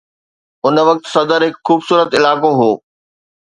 ان وقت صدر هڪ خوبصورت علائقو هو.